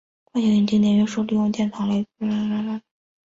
惯性静电约束利用电场来牵引带电粒子。